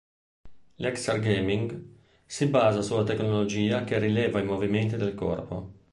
L'exergaming si basa sulla tecnologia che rileva i movimenti del corpo.